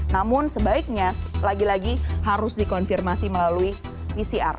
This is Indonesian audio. namun sebaiknya lagi lagi harus dikonfirmasi melalui pcr